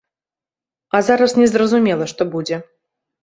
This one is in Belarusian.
А зараз не зразумела, што будзе.